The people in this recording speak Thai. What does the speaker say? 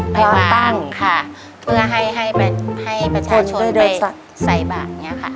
พร้อมตั้งค่ะเพื่อให้ให้แบบให้ประชาชนไปใส่บาตรเนี้ยค่ะ